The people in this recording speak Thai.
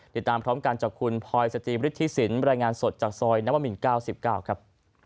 ติดตามพร้อมกันจากคุณพลอยสจิมฤทธิสินบรรยายงานสดจากซอยนวมิน๙๙ครับ